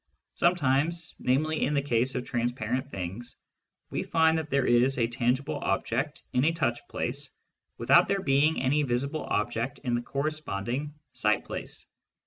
Sometimes, namely in the case of transparent things, we find that there is a tangible object in a touch place without there being any visible object in the corresponding sight place.